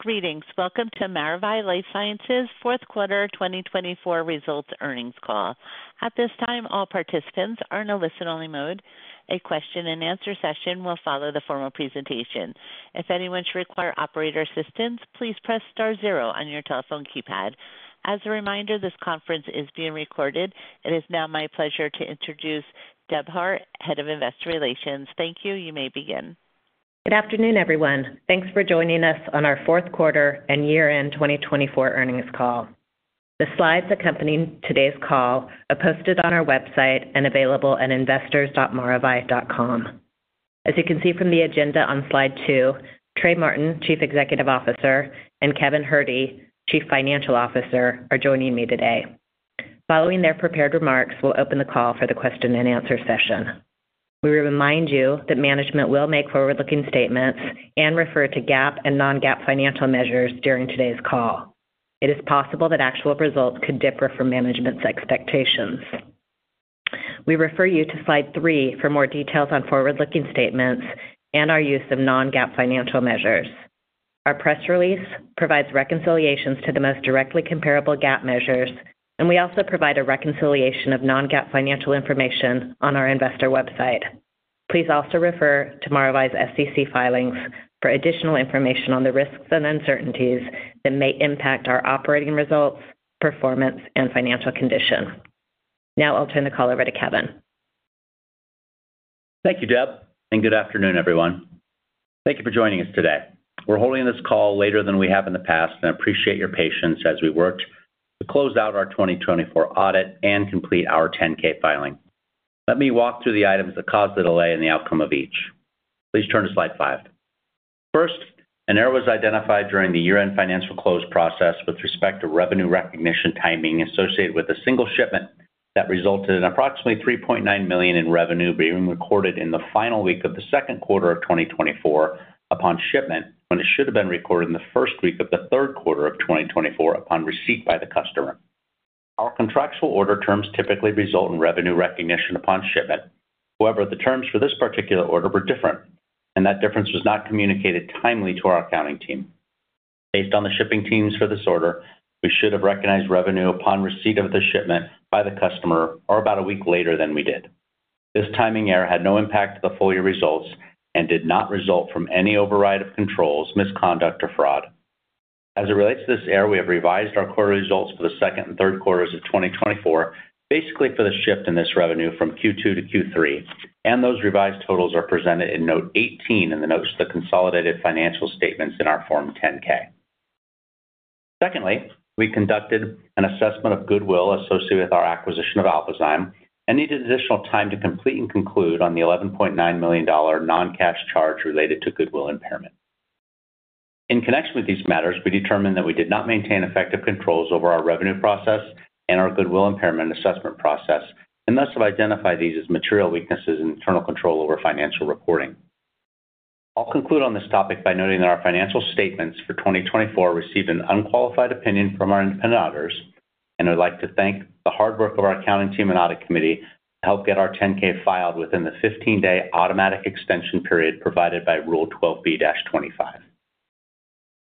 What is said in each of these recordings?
Greetings. Welcome to Maravai LifeSciences' fourth quarter 2024 results earnings call. At this time, all participants are in a listen-only mode. A question-and-answer session will follow the formal presentation. If anyone should require operator assistance, please press star zero on your telephone keypad. As a reminder, this conference is being recorded. It is now my pleasure to introduce Deb Hart, Head of Investor Relations. Thank you. You may begin. Good afternoon, everyone. Thanks for joining us on our fourth quarter and year-end 2024 earnings call. The slides accompanying today's call are posted on our website and available at investors.maravai.com. As you can see from the agenda on slide two, Trey Martin, Chief Executive Officer, and Kevin Herde, Chief Financial Officer, are joining me today. Following their prepared remarks, we'll open the call for the question-and-answer session. We remind you that management will make forward-looking statements and refer to GAAP and non-GAAP financial measures during today's call. It is possible that actual results could differ from management's expectations. We refer you to slide three for more details on forward-looking statements and our use of non-GAAP financial measures. Our press release provides reconciliations to the most directly comparable GAAP measures, and we also provide a reconciliation of non-GAAP financial information on our investor website. Please also refer to Maravai's SEC filings for additional information on the risks and uncertainties that may impact our operating results, performance, and financial condition. Now I'll turn the call over to Kevin. Thank you, Deb. And good afternoon, everyone. Thank you for joining us today. We're holding this call later than we have in the past, and I appreciate your patience as we work to close out our 2024 audit and complete our 10-K filing. Let me walk through the items that caused the delay and the outcome of each. Please turn to slide five. First, an error was identified during the year-end financial close process with respect to revenue recognition timing associated with a single shipment that resulted in approximately $3.9 million in revenue being recorded in the final week of the second quarter of 2024 upon shipment when it should have been recorded in the first week of the third quarter of 2024 upon receipt by the customer. Our contractual order terms typically result in revenue recognition upon shipment. However, the terms for this particular order were different, and that difference was not communicated timely to our accounting team. Based on the shipping terms for this order, we should have recognized revenue upon receipt of the shipment by the customer or about a week later than we did. This timing error had no impact on the full year results and did not result from any override of controls, misconduct, or fraud. As it relates to this error, we have revised our quarterly results for the second and third quarters of 2024, basically for the shift in this revenue from Q2 to Q3. Those revised totals are presented in note 18 in the notes to the consolidated financial statements in our Form 10-K. Secondly, we conducted an assessment of goodwill associated with our acquisition of Alphazyme and needed additional time to complete and conclude on the $11.9 million non-cash charge related to goodwill impairment. In connection with these matters, we determined that we did not maintain effective controls over our revenue process and our goodwill impairment assessment process, and thus have identified these as material weaknesses in internal control over financial reporting. I'll conclude on this topic by noting that our financial statements for 2024 received an unqualified opinion from our independent auditors, and I'd like to thank the hard work of our accounting team and audit committee to help get our 10-K filed within the 15-day automatic extension period provided by Rule 12b-25.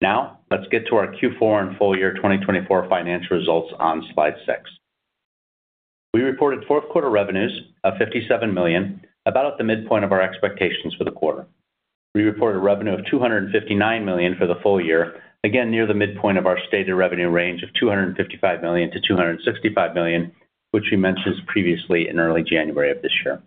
Now let's get to our Q4 and full year 2024 financial results on slide six. We reported fourth quarter revenues of $57 million, about at the midpoint of our expectations for the quarter. We reported a revenue of $259 million for the full year, again near the midpoint of our stated revenue range of $255 million-$265 million, which we mentioned previously in early January of this year.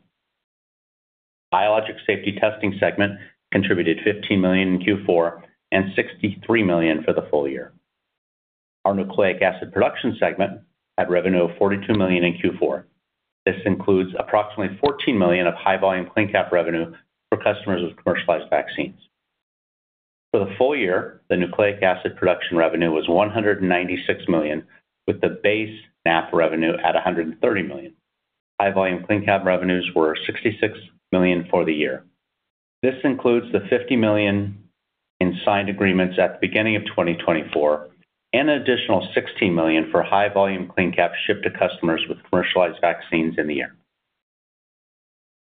Biologics Safety Testing segment contributed $15 million in Q4 and $63 million for the full year. Our Nucleic Acid Production segment had revenue of $42 million in Q4. This includes approximately $14 million of high-volume CleanCap revenue for customers with commercialized vaccines. For the full year, the Nucleic Acid Production revenue was $196 million, with the base NAP revenue at $130 million. High-volume CleanCap revenues were $66 million for the year. This includes the $50 million in signed agreements at the beginning of 2024 and an additional $16 million for high-volume CleanCap shipped to customers with commercialized vaccines in the year.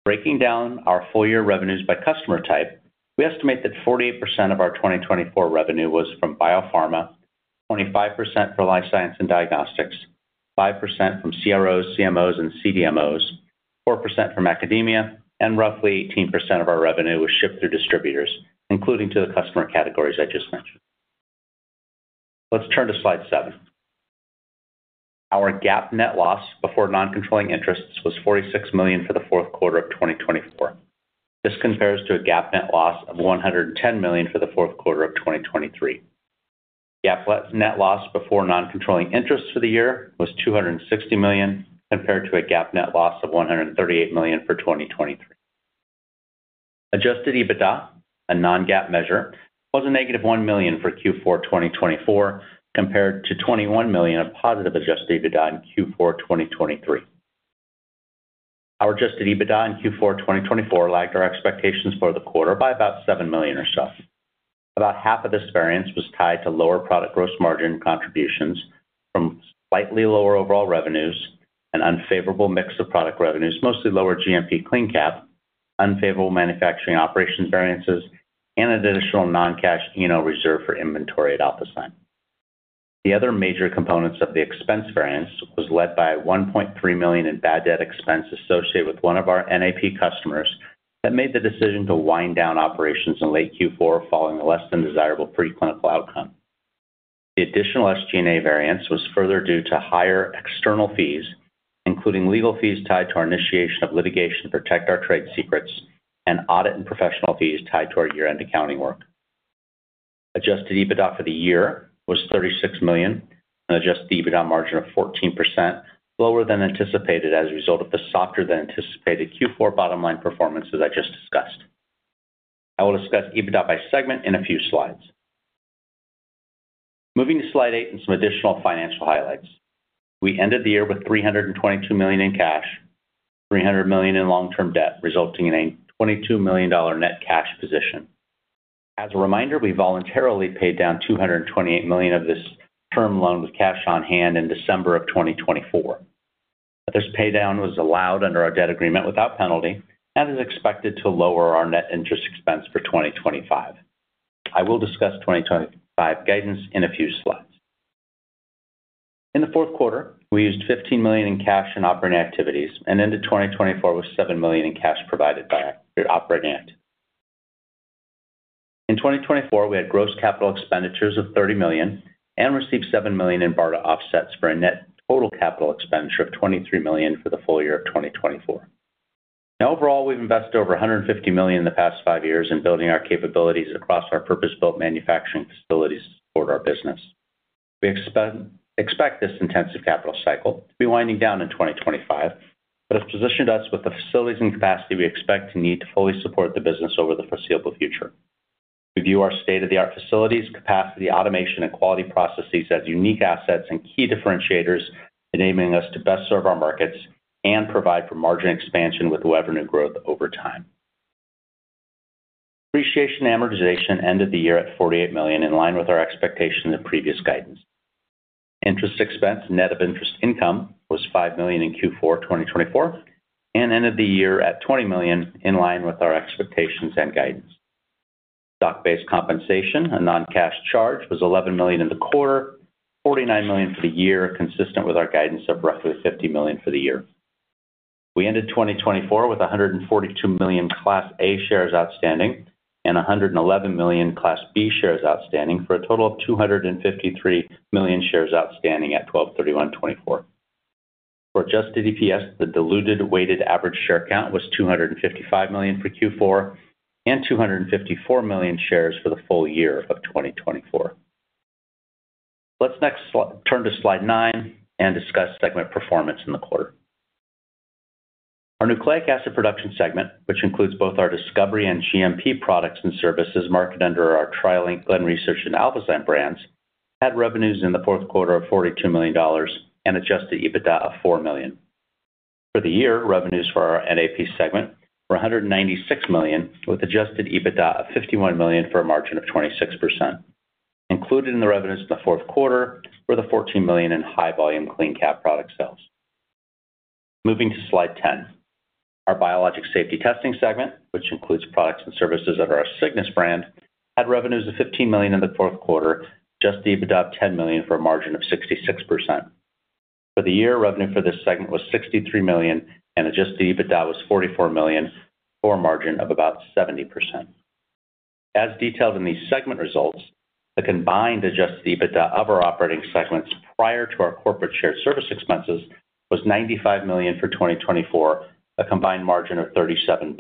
Breaking down our full year revenues by customer type, we estimate that 48% of our 2024 revenue was from biopharma, 25% for life science and diagnostics, 5% from CROs, CMOs, and CDMOs, 4% from academia, and roughly 18% of our revenue was shipped through distributors, including to the customer categories I just mentioned. Let's turn to slide seven. Our GAAP net loss before non-controlling interests was $46 million for the fourth quarter of 2024. This compares to a GAAP net loss of $110 million for the fourth quarter of 2023. GAAP net loss before non-controlling interests for the year was $260 million, compared to a GAAP net loss of $138 million for 2023. Adjusted EBITDA, a non-GAAP measure, was a negative $1 million for Q4 2024, compared to $21 million of positive adjusted EBITDA in Q4 2023. Our adjusted EBITDA in Q4 2024 lagged our expectations for the quarter by about $7 million or so. About half of this variance was tied to lower product gross margin contributions from slightly lower overall revenues and unfavorable mix of product revenues, mostly lower GMP CleanCap, unfavorable manufacturing operations variances, and an additional non-cash E&O reserve for inventory at Alphazime. The other major components of the expense variance were led by a $1.3 million in bad debt expense associated with one of our NAP customers that made the decision to wind down operations in late Q4 following a less than desirable preclinical outcome. The additional SG&A variance was further due to higher external fees, including legal fees tied to our initiation of litigation to protect our trade secrets and audit and professional fees tied to our year-end accounting work. Adjusted EBITDA for the year was $36 million, an adjusted EBITDA margin of 14%, lower than anticipated as a result of the softer-than-anticipated Q4 bottom-line performance as I just discussed. I will discuss EBITDA by segment in a few slides. Moving to slide eight and some additional financial highlights. We ended the year with $322 million in cash, $300 million in long-term debt, resulting in a $22 million net cash position. As a reminder, we voluntarily paid down $228 million of this term loan with cash on hand in December of 2024. This paydown was allowed under our debt agreement without penalty and is expected to lower our net interest expense for 2025. I will discuss 2025 guidance in a few slides. In the fourth quarter, we used $15 million in cash in operating activities and ended 2024 with $7 million in cash provided by operating activities. In 2024, we had gross capital expenditures of $30 million and received $7 million in BARDA offsets for a net total capital expenditure of $23 million for the full year of 2024. Now, overall, we've invested over $150 million in the past five years in building our capabilities across our purpose-built manufacturing facilities to support our business. We expect this intensive capital cycle to be winding down in 2025, but it's positioned us with the facilities and capacity we expect to need to fully support the business over the foreseeable future. We view our state-of-the-art facilities, capacity, automation, and quality processes as unique assets and key differentiators, enabling us to best serve our markets and provide for margin expansion with revenue growth over time. Depreciation amortization ended the year at $48 million, in line with our expectations and previous guidance. Interest expense, net of interest income, was $5 million in Q4 2024 and ended the year at $20 million, in line with our expectations and guidance. Stock-based compensation, a non-cash charge, was $11 million in the quarter, $49 million for the year, consistent with our guidance of roughly $50 million for the year. We ended 2024 with 142 million Class A shares outstanding and 111 million Class B shares outstanding, for a total of 253 million shares outstanding at 12/31/2024. For adjusted EPS, the diluted weighted average share count was $255 million for Q4 and $254 million shares for the full year of 2024. Let's next turn to slide nine and discuss segment performance in the quarter. Our Nucleic Acid Production segment, which includes both our discovery and GMP products and services marketed under our TriLink, Glen Research, and Alphazime brands, had revenues in the fourth quarter of $42 million and adjusted EBITDA of $4 million. For the year, revenues for our NAP segment were $196 million, with adjusted EBITDA of $51 million for a margin of 26%. Included in the revenues in the fourth quarter were the $14 million in high-volume CleanCap product sales. Moving to slide ten, our Biologics Safety Testing segment, which includes products and services under our Cygnus brand, had revenues of $15 million in the fourth quarter, adjusted EBITDA of $10 million for a margin of 66%. For the year, revenue for this segment was $63 million, and adjusted EBITDA was $44 million for a margin of about 70%. As detailed in these segment results, the combined adjusted EBITDA of our operating segments prior to our corporate shared service expenses was $95 million for 2024, a combined margin of 37%.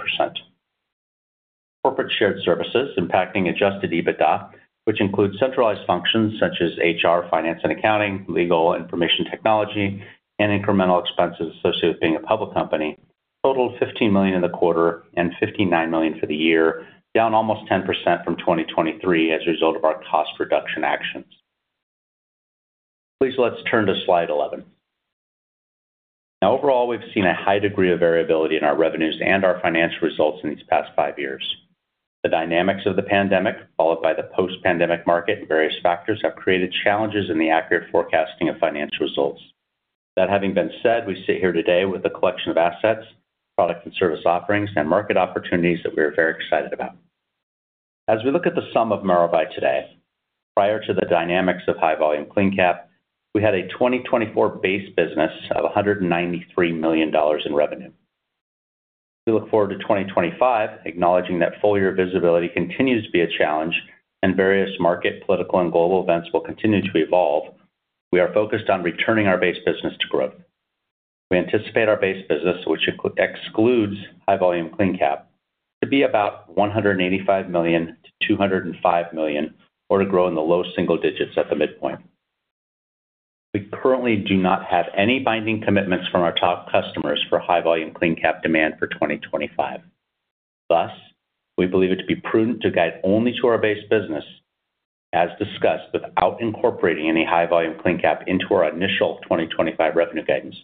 Corporate shared services impacting adjusted EBITDA, which include centralized functions such as HR, finance and accounting, legal information technology, and incremental expenses associated with being a public company, totaled $15 million in the quarter and $59 million for the year, down almost 10% from 2023 as a result of our cost reduction actions. Please let's turn to slide 11. Now, overall, we've seen a high degree of variability in our revenues and our financial results in these past five years. The dynamics of the pandemic, followed by the post-pandemic market and various factors, have created challenges in the accurate forecasting of financial results. That having been said, we sit here today with a collection of assets, product and service offerings, and market opportunities that we are very excited about. As we look at the sum of Maravai today, prior to the dynamics of high-volume CleanCap, we had a 2024 base business of $193 million in revenue. As we look forward to 2025, acknowledging that full year visibility continues to be a challenge and various market, political, and global events will continue to evolve, we are focused on returning our base business to growth. We anticipate our base business, which excludes high-volume CleanCap, to be about $185 million-$205 million or to grow in the low single digits at the midpoint. We currently do not have any binding commitments from our top customers for high-volume CleanCap demand for 2025. Thus, we believe it to be prudent to guide only to our base business, as discussed, without incorporating any high-volume CleanCap into our initial 2025 revenue guidance.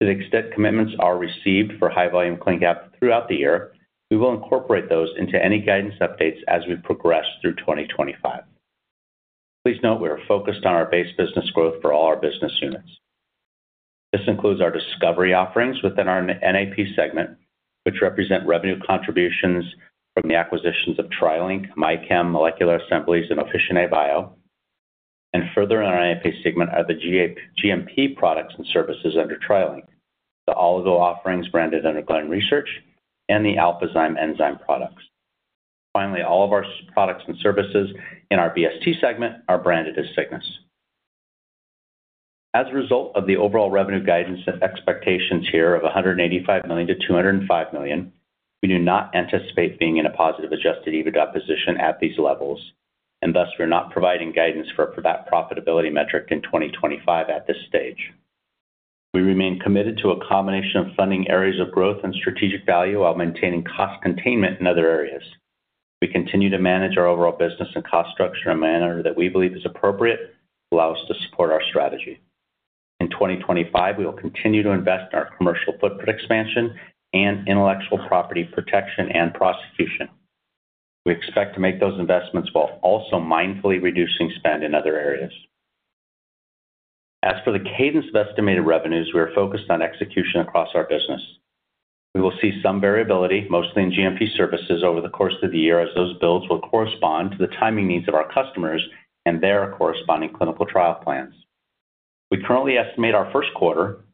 To the extent commitments are received for high-volume CleanCap throughout the year, we will incorporate those into any guidance updates as we progress through 2025. Please note we are focused on our base business growth for all our business units. This includes our discovery offerings within our NAP segment, which represent revenue contributions from the acquisitions of TriLink, MyChem, Molecular Assemblies, and Officinae Bio. Further in our NAP segment are the GMP products and services under TriLink, the oligonucleotide offerings branded under Glen Research, and the Alphazime enzyme products. Finally, all of our products and services in our BST segment are branded as Cygnus. As a result of the overall revenue guidance and expectations here of $185 million-$205 million, we do not anticipate being in a positive adjusted EBITDA position at these levels, and thus we are not providing guidance for that profitability metric in 2025 at this stage. We remain committed to a combination of funding areas of growth and strategic value while maintaining cost containment in other areas. We continue to manage our overall business and cost structure in a manner that we believe is appropriate and allows us to support our strategy. In 2025, we will continue to invest in our commercial footprint expansion and intellectual property protection and prosecution. We expect to make those investments while also mindfully reducing spend in other areas. As for the cadence of estimated revenues, we are focused on execution across our business. We will see some variability, mostly in GMP services, over the course of the year as those bills will correspond to the timing needs of our customers and their corresponding clinical trial plans. We currently estimate our first quarter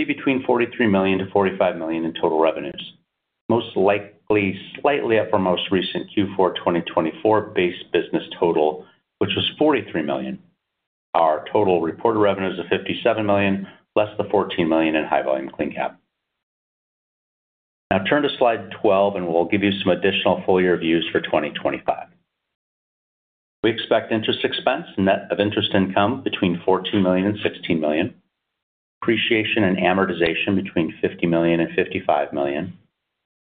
to be between $43 million-$45 million in total revenues, most likely slightly up from most recent Q4 2024 base business total, which was $43 million. Our total reported revenues are $57 million, less than $14 million in high-volume CleanCap. Now, turn to slide 12, and we'll give you some additional full year views for 2025. We expect interest expense, net of interest income, between $14 million and $16 million. Depreciation and amortization between $50 million and $55 million.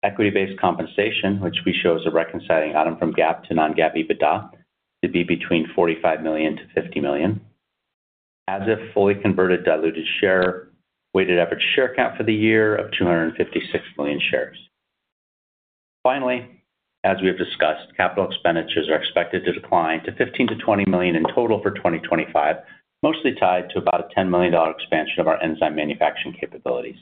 Equity-based compensation, which we show as a reconciling item from GAAP to non-GAAP EBITDA, to be between $45 million to $50 million. As if fully converted diluted share weighted average share count for the year of 256 million shares. Finally, as we have discussed, capital expenditures are expected to decline to $15 million-$20 million in total for 2025, mostly tied to about a $10 million expansion of our enzyme manufacturing capabilities,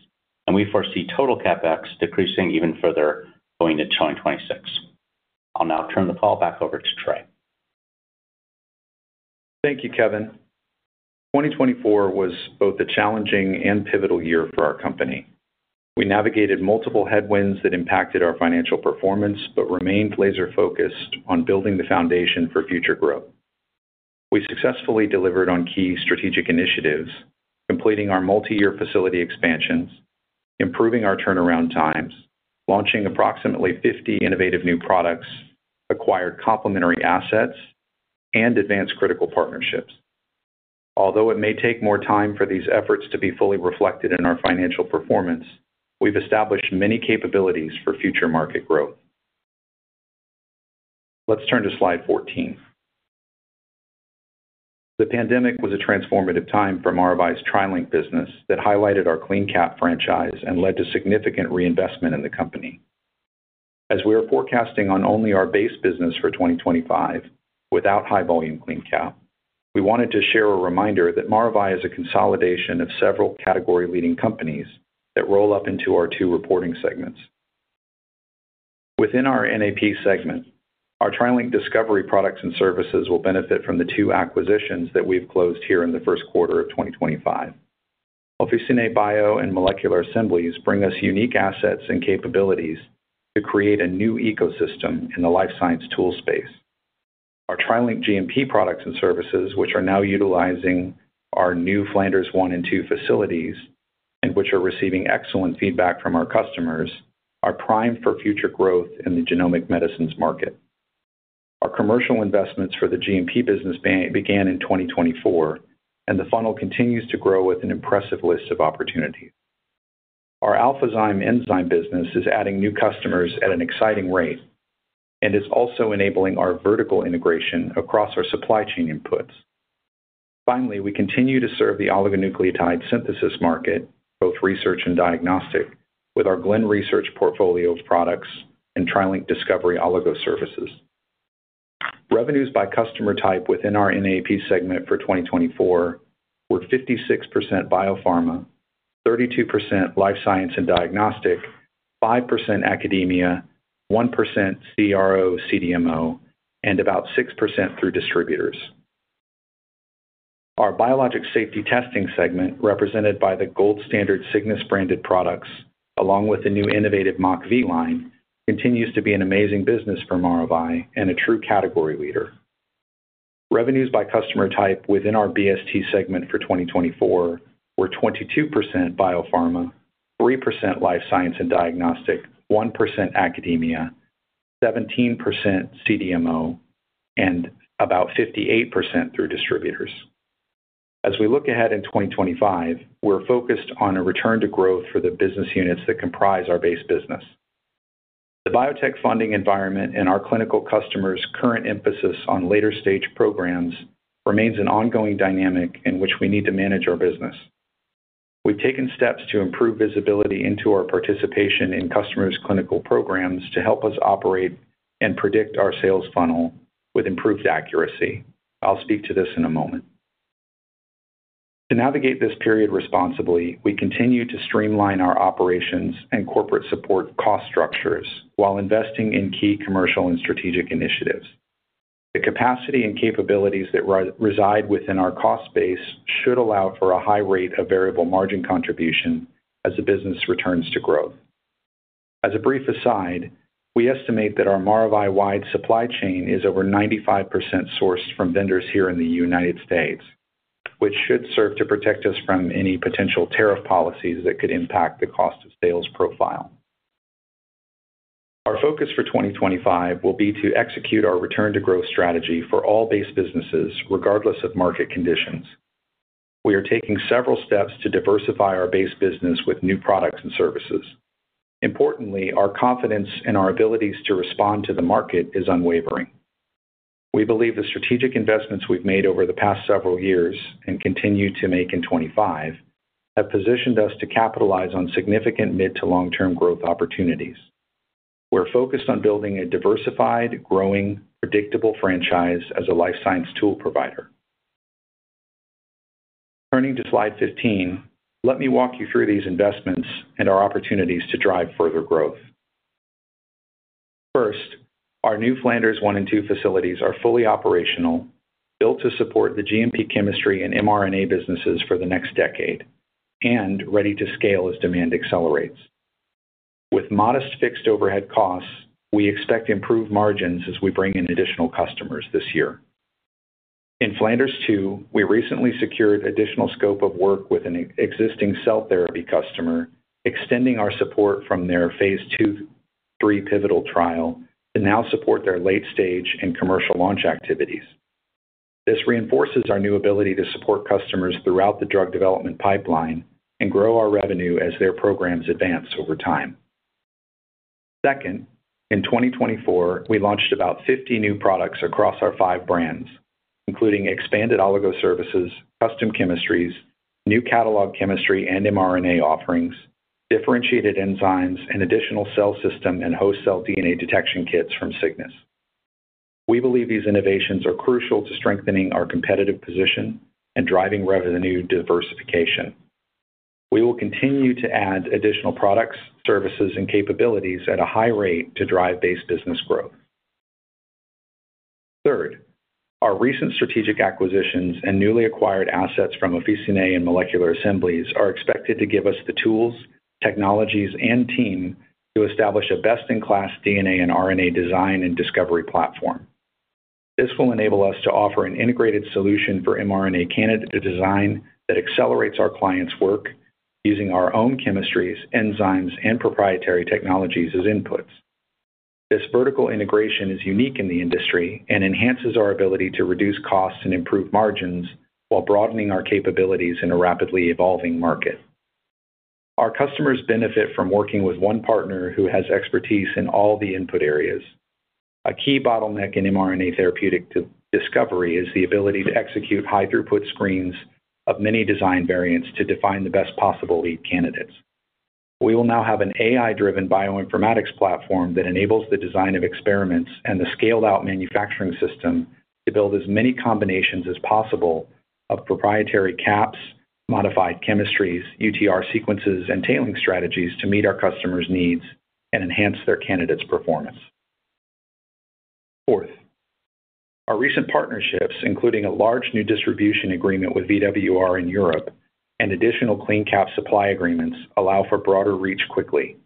and we foresee total CapEx decreasing even further going into 2026. I'll now turn the call back over to Trey. Thank you, Kevin. 2024 was both a challenging and pivotal year for our company. We navigated multiple headwinds that impacted our financial performance but remained laser-focused on building the foundation for future growth. We successfully delivered on key strategic initiatives, completing our multi-year facility expansions, improving our turnaround times, launching approximately 50 innovative new products, acquired complementary assets, and advanced critical partnerships. Although it may take more time for these efforts to be fully reflected in our financial performance, we've established many capabilities for future market growth. Let's turn to slide 14. The pandemic was a transformative time for Maravai's TriLink business that highlighted our CleanCap franchise and led to significant reinvestment in the company. As we are forecasting on only our base business for 2025 without high-volume CleanCap, we wanted to share a reminder that Maravai is a consolidation of several category-leading companies that roll up into our two reporting segments. Within our NAP segment, our TriLink discovery products and services will benefit from the two acquisitions that we've closed here in the first quarter of 2025. Officinae Bio and Molecular Assemblies bring us unique assets and capabilities to create a new ecosystem in the life science tool space. Our TriLink GMP products and services, which are now utilizing our new Flanders One and Two facilities and which are receiving excellent feedback from our customers, are primed for future growth in the genomic medicines market. Our commercial investments for the GMP business began in 2024, and the funnel continues to grow with an impressive list of opportunities. Our Alphazime enzyme business is adding new customers at an exciting rate, and it's also enabling our vertical integration across our supply chain inputs. Finally, we continue to serve the oligonucleotide synthesis market, both research and diagnostic, with our Glen Research portfolio of products and TriLink discovery oligo services. Revenues by customer type within our NAP segment for 2024 were 56% biopharma, 32% life science and diagnostic, 5% academia, 1% CRO/CDMO, and about 6% through distributors. Our Biologics Safety Testing segment, represented by the gold standard Cygnus-branded products, along with the new innovative MockV line, continues to be an amazing business for Maravai and a true category leader. Revenues by customer type within our BST segment for 2024 were 22% biopharma, 3% life science and diagnostic, 1% academia, 17% CDMO, and about 58% through distributors. As we look ahead in 2025, we're focused on a return to growth for the business units that comprise our base business. The biotech funding environment and our clinical customers' current emphasis on later-stage programs remains an ongoing dynamic in which we need to manage our business. We've taken steps to improve visibility into our participation in customers' clinical programs to help us operate and predict our sales funnel with improved accuracy. I'll speak to this in a moment. To navigate this period responsibly, we continue to streamline our operations and corporate support cost structures while investing in key commercial and strategic initiatives. The capacity and capabilities that reside within our cost base should allow for a high rate of variable margin contribution as the business returns to growth. As a brief aside, we estimate that our Maravai-wide supply chain is over 95% sourced from vendors here in the United States, which should serve to protect us from any potential tariff policies that could impact the cost of sales profile. Our focus for 2025 will be to execute our return-to-growth strategy for all base businesses, regardless of market conditions. We are taking several steps to diversify our base business with new products and services. Importantly, our confidence in our abilities to respond to the market is unwavering. We believe the strategic investments we've made over the past several years and continue to make in 2025 have positioned us to capitalize on significant mid- to long-term growth opportunities. We're focused on building a diversified, growing, predictable franchise as a life science tool provider. Turning to slide 15, let me walk you through these investments and our opportunities to drive further growth. First, our new Flanders One and Two facilities are fully operational, built to support the GMP chemistry and mRNA businesses for the next decade, and ready to scale as demand accelerates. With modest fixed overhead costs, we expect improved margins as we bring in additional customers this year. In Flanders Two, we recently secured additional scope of work with an existing cell therapy customer, extending our support from their phase II/III pivotal trial to now support their late-stage and commercial launch activities. This reinforces our new ability to support customers throughout the drug development pipeline and grow our revenue as their programs advance over time. Second, in 2024, we launched about 50 new products across our five brands, including expanded oligoservices, custom chemistries, new catalog chemistry and mRNA offerings, differentiated enzymes, and additional cell system and host cell DNA detection kits from Cygnus. We believe these innovations are crucial to strengthening our competitive position and driving revenue diversification. We will continue to add additional products, services, and capabilities at a high rate to drive base business growth. Third, our recent strategic acquisitions and newly acquired assets from Officinae Bio and Molecular Assemblies are expected to give us the tools, technologies, and team to establish a best-in-class DNA and RNA design and discovery platform. This will enable us to offer an integrated solution for mRNA candidate design that accelerates our clients' work using our own chemistries, enzymes, and proprietary technologies as inputs. This vertical integration is unique in the industry and enhances our ability to reduce costs and improve margins while broadening our capabilities in a rapidly evolving market. Our customers benefit from working with one partner who has expertise in all the input areas. A key bottleneck in mRNA therapeutic discovery is the ability to execute high-throughput screens of many design variants to define the best possible lead candidates. We will now have an AI-driven bioinformatics platform that enables the design of experiments and the scaled-out manufacturing system to build as many combinations as possible of proprietary caps, modified chemistries, UTR sequences, and tailing strategies to meet our customers' needs and enhance their candidates' performance. Fourth, our recent partnerships, including a large new distribution agreement with VWR in Europe and additional CleanCap supply agreements, allow for broader reach quickly.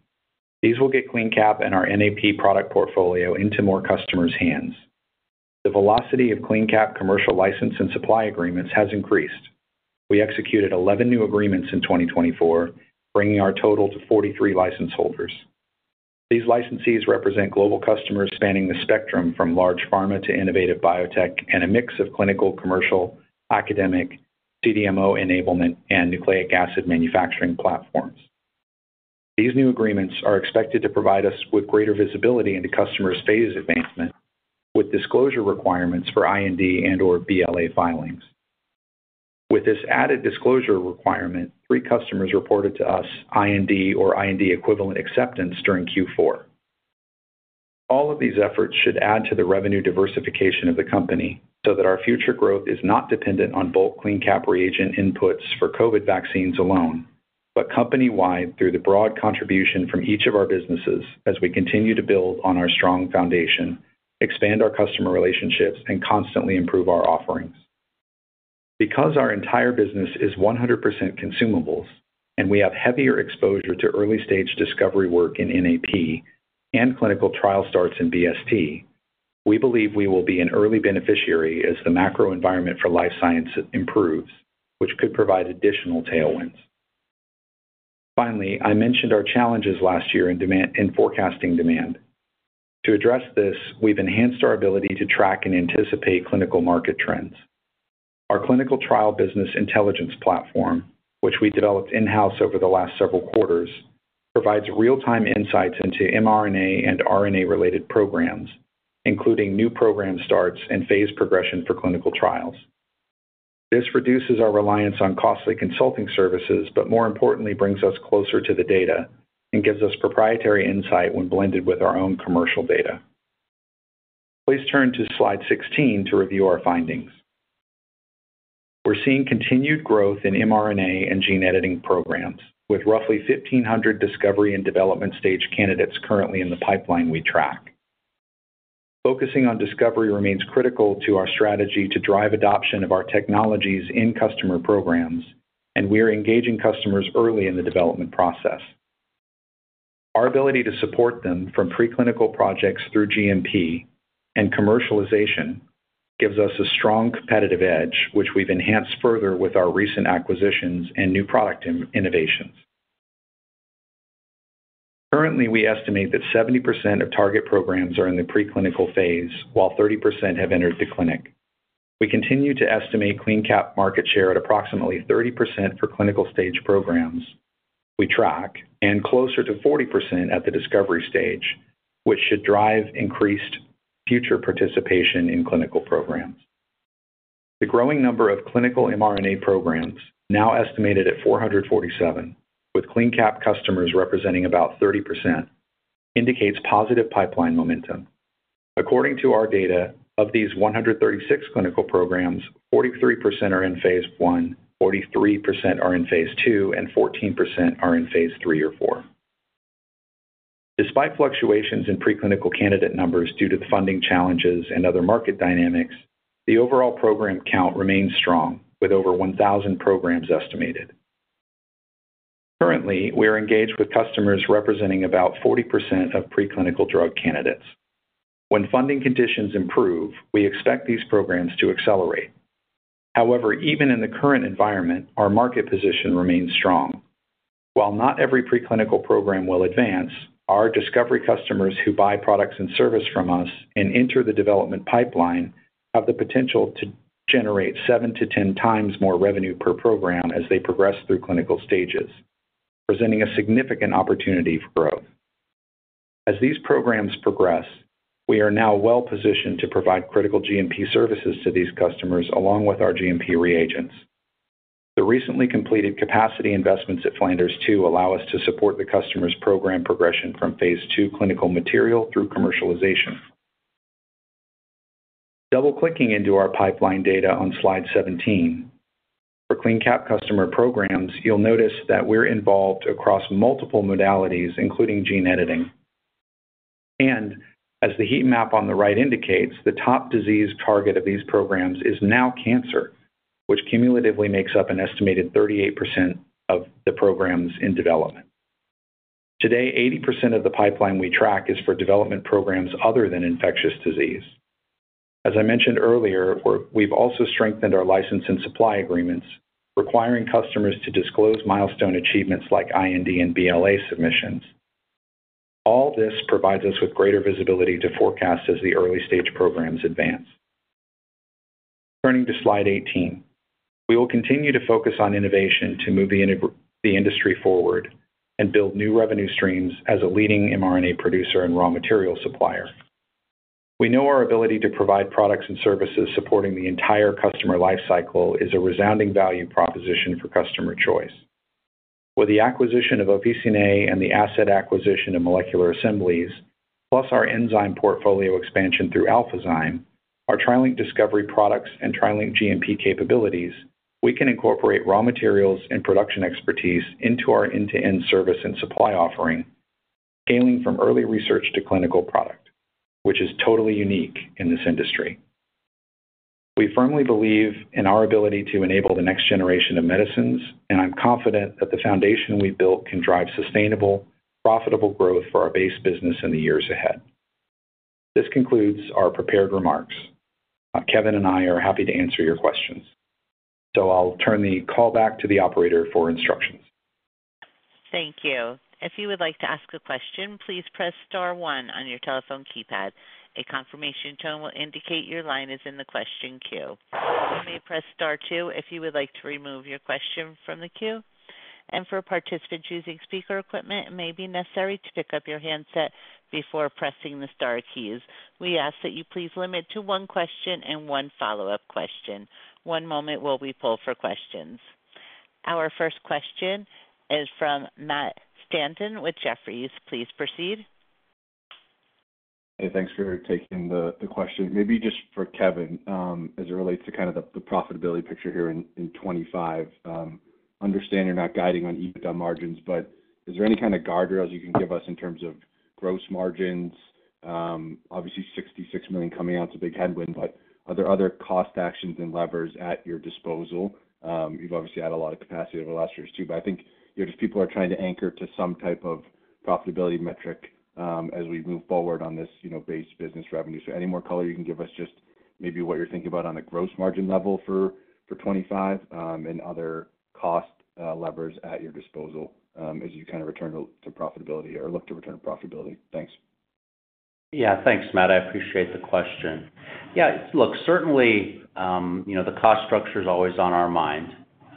These will get CleanCap and our NAP product portfolio into more customers' hands. The velocity of CleanCap commercial license and supply agreements has increased. We executed 11 new agreements in 2024, bringing our total to 43 license holders. These licensees represent global customers spanning the spectrum from large pharma to innovative biotech and a mix of clinical, commercial, academic, CDMO enablement, and nucleic acid manufacturing platforms. These new agreements are expected to provide us with greater visibility into customers' phase advancement, with disclosure requirements for IND and/or BLA filings. With this added disclosure requirement, three customers reported to us IND or IND equivalent acceptance during Q4. All of these efforts should add to the revenue diversification of the company so that our future growth is not dependent on bulk CleanCap reagent inputs for COVID vaccines alone, but company-wide through the broad contribution from each of our businesses as we continue to build on our strong foundation, expand our customer relationships, and constantly improve our offerings. Because our entire business is 100% consumables and we have heavier exposure to early-stage discovery work in NAP and clinical trial starts in BST, we believe we will be an early beneficiary as the macro environment for life sciences improves, which could provide additional tailwinds. Finally, I mentioned our challenges last year in forecasting demand. To address this, we've enhanced our ability to track and anticipate clinical market trends. Our clinical trial business intelligence platform, which we developed in-house over the last several quarters, provides real-time insights into mRNA and RNA-related programs, including new program starts and phase progression for clinical trials. This reduces our reliance on costly consulting services, but more importantly, brings us closer to the data and gives us proprietary insight when blended with our own commercial data. Please turn to slide 16 to review our findings. We're seeing continued growth in mRNA and gene editing programs, with roughly 1,500 discovery and development stage candidates currently in the pipeline we track. Focusing on discovery remains critical to our strategy to drive adoption of our technologies in customer programs, and we are engaging customers early in the development process. Our ability to support them from preclinical projects through GMP and commercialization gives us a strong competitive edge, which we've enhanced further with our recent acquisitions and new product innovations. Currently, we estimate that 70% of target programs are in the preclinical phase, while 30% have entered the clinic. We continue to estimate CleanCap market share at approximately 30% for clinical stage programs we track and closer to 40% at the discovery stage, which should drive increased future participation in clinical programs. The growing number of clinical mRNA programs, now estimated at 447, with CleanCap customers representing about 30%, indicates positive pipeline momentum. According to our data, of these 136 clinical programs, 43% are in phase I, 43% are in phase II, and 14% are in phase III or IV. Despite fluctuations in preclinical candidate numbers due to the funding challenges and other market dynamics, the overall program count remains strong, with over 1,000 programs estimated. Currently, we are engaged with customers representing about 40% of preclinical drug candidates. When funding conditions improve, we expect these programs to accelerate. However, even in the current environment, our market position remains strong. While not every preclinical program will advance, our discovery customers who buy products and service from us and enter the development pipeline have the potential to generate 7-10 times more revenue per program as they progress through clinical stages, presenting a significant opportunity for growth. As these programs progress, we are now well-positioned to provide critical GMP services to these customers along with our GMP reagents. The recently completed capacity investments at Flanders Two allow us to support the customers' program progression from phase II clinical material through commercialization. Double-clicking into our pipeline data on slide 17, for CleanCap customer programs, you'll notice that we're involved across multiple modalities, including gene editing. As the heat map on the right indicates, the top disease target of these programs is now cancer, which cumulatively makes up an estimated 38% of the programs in development. Today, 80% of the pipeline we track is for development programs other than infectious disease. As I mentioned earlier, we've also strengthened our license and supply agreements, requiring customers to disclose milestone achievements like IND and BLA submissions. All this provides us with greater visibility to forecast as the early-stage programs advance. Turning to slide 18, we will continue to focus on innovation to move the industry forward and build new revenue streams as a leading mRNA producer and raw material supplier. We know our ability to provide products and services supporting the entire customer lifecycle is a resounding value proposition for customer choice. With the acquisition of Officinae Bio and the asset acquisition of Molecular Assemblies, plus our enzyme portfolio expansion through Alphazyme, our TriLink discovery products, and TriLink GMP capabilities, we can incorporate raw materials and production expertise into our end-to-end service and supply offering, scaling from early research to clinical product, which is totally unique in this industry. We firmly believe in our ability to enable the next generation of medicines, and I'm confident that the foundation we've built can drive sustainable, profitable growth for our base business in the years ahead. This concludes our prepared remarks. Kevin and I are happy to answer your questions, so I'll turn the call back to the operator for instructions. Thank you. If you would like to ask a question, please press Star 1 on your telephone keypad. A confirmation tone will indicate your line is in the question queue. You may press Star 2 if you would like to remove your question from the queue. For participants using speaker equipment, it may be necessary to pick up your handset before pressing the Star keys. We ask that you please limit to one question and one follow-up question. One moment while we pull for questions. Our first question is from Matt Stanton with Jefferies. Please proceed. Hey, thanks for taking the question. Maybe just for Kevin, as it relates to kind of the profitability picture here in 2025, understand you're not guiding on EBITDA margins, but is there any kind of guardrails you can give us in terms of gross margins? Obviously, $66 million coming out's a big headwind, but are there other cost actions and levers at your disposal? You've obviously had a lot of capacity over the last years too, but I think if people are trying to anchor to some type of profitability metric as we move forward on this base business revenue, any more color you can give us just maybe what you're thinking about on the gross margin level for 2025 and other cost levers at your disposal as you kind of return to profitability or look to return to profitability. Thanks. Yeah, thanks, Matt. I appreciate the question. Yeah, look, certainly the cost structure is always on our mind.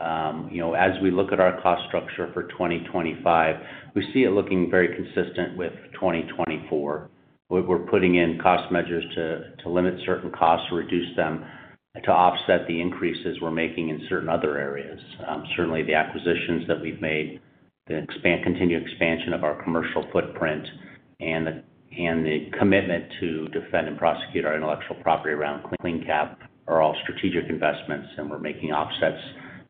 As we look at our cost structure for 2025, we see it looking very consistent with 2024. We're putting in cost measures to limit certain costs, reduce them to offset the increases we're making in certain other areas. Certainly, the acquisitions that we've made, the continued expansion of our commercial footprint, and the commitment to defend and prosecute our intellectual property around CleanCap are all strategic investments, and we're making offsets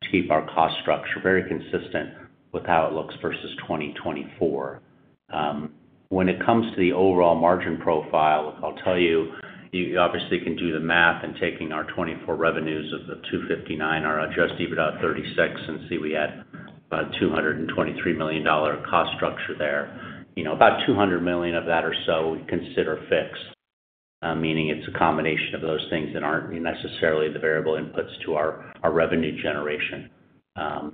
to keep our cost structure very consistent with how it looks versus 2024. When it comes to the overall margin profile, I'll tell you, you obviously can do the math and take our 2024 revenues of $259 million, our adjusted EBITDA of $36 million, and see we had about a $223 million cost structure there. About $200 million of that or so we consider fixed, meaning it's a combination of those things that aren't necessarily the variable inputs to our revenue generation. That $200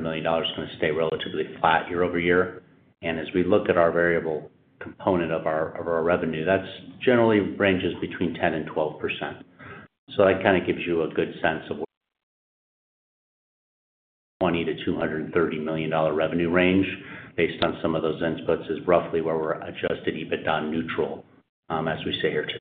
million is going to stay relatively flat year over year. As we look at our variable component of our revenue, that generally ranges between 10% and 12%. That kind of gives you a good sense of what the $220 million-$230 million revenue range based on some of those inputs is roughly where we're adjusted EBITDA neutral, as we say here today.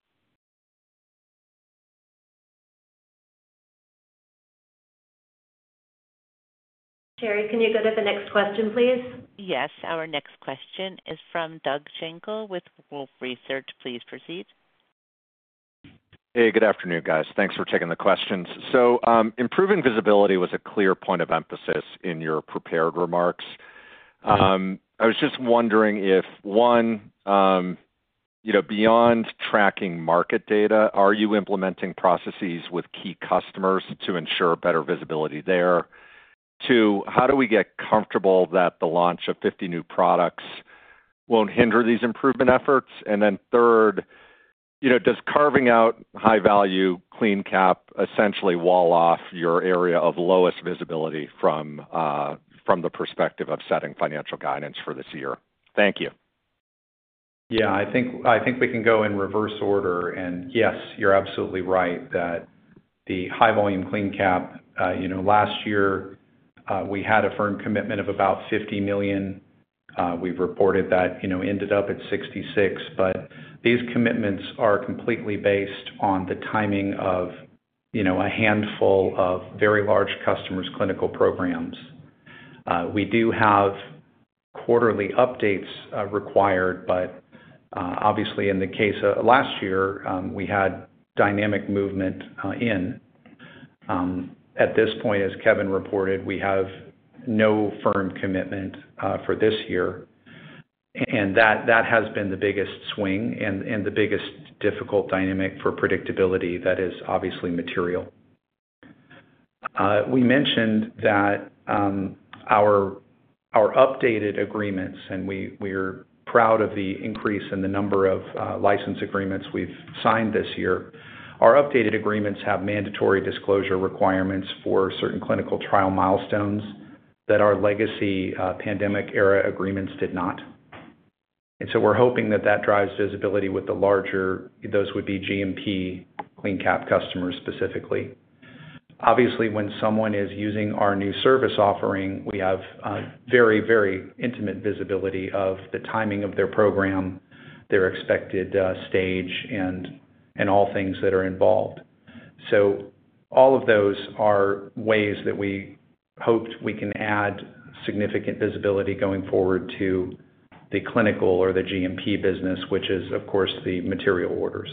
Jerry, can you go to the next question, please? Yes. Our next question is from Doug Schenkel with Wolfe Research. Please proceed. Hey, good afternoon, guys. Thanks for taking the questions. Improving visibility was a clear point of emphasis in your prepared remarks. I was just wondering if, one, beyond tracking market data, are you implementing processes with key customers to ensure better visibility there? Two, how do we get comfortable that the launch of 50 new products won't hinder these improvement efforts? Third, does carving out high-value CleanCap essentially wall off your area of lowest visibility from the perspective of setting financial guidance for this year? Thank you. Yeah, I think we can go in reverse order. Yes, you're absolutely right that the high-volume CleanCap, last year we had a firm commitment of about $50 million. We've reported that ended up at $66 million, but these commitments are completely based on the timing of a handful of very large customers' clinical programs. We do have quarterly updates required, but obviously in the case of last year, we had dynamic movement in. At this point, as Kevin reported, we have no firm commitment for this year. That has been the biggest swing and the biggest difficult dynamic for predictability that is obviously material. We mentioned that our updated agreements, and we are proud of the increase in the number of license agreements we've signed this year. Our updated agreements have mandatory disclosure requirements for certain clinical trial milestones that our legacy pandemic-era agreements did not. We're hoping that that drives visibility with the larger—those would be GMP CleanCap customers specifically. Obviously, when someone is using our new service offering, we have very, very intimate visibility of the timing of their program, their expected stage, and all things that are involved. All of those are ways that we hoped we can add significant visibility going forward to the clinical or the GMP business, which is, of course, the material orders.